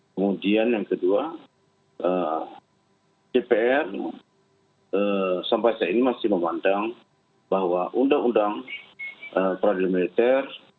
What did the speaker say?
kemudian yang kedua dpr sampai saat ini masih memandang bahwa undang undang peradilan militer